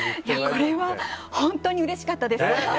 これは本当にうれしかったです。